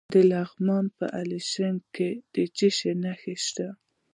د لغمان په علیشنګ کې څه شی شته؟